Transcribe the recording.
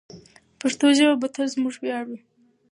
پښتو ژبه به تل زموږ ویاړ وي.